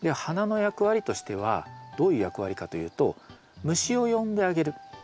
花の役割としてはどういう役割かというと虫を呼んであげる。